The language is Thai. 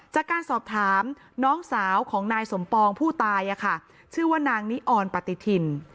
จากการสอบถามน้องสาวของนายสมปองผู้ตายชื่อว่านางนิออนปฏิทิน